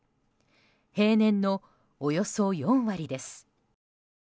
平年のおよそ４割です。